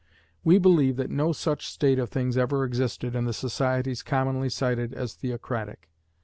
We believe that no such state of things ever existed in the societies commonly cited as theocratic.